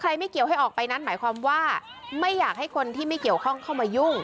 ไม่เกี่ยวให้ออกไปนั้นหมายความว่าไม่อยากให้คนที่ไม่เกี่ยวข้องเข้ามายุ่ง